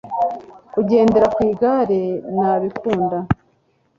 kugendera kwi gare nabikunda